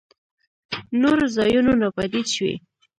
نورو ځايونو ناپديد شوي.